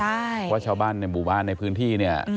เพราะว่าชาวบ้านบุบันในพื้นที่